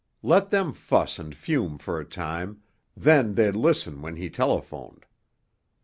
Let them fuss and fume for a time, then they'd listen when he telephoned.